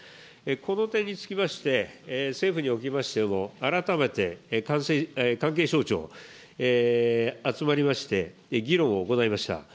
この点につきまして、政府におきましても、改めて関係省庁、集まりまして、議論を行いました。